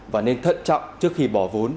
và nên thận trọng trước khi bỏ vốn